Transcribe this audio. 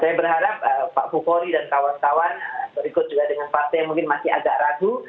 saya berharap pak bukori dan kawan kawan berikut juga dengan partai yang mungkin masih agak ragu